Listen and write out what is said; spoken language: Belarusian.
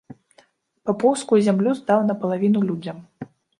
Папоўскую зямлю здаў напалавіну людзям.